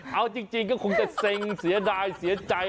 เอาจริงก็คงจะเซ็งเสียดายเสียใจ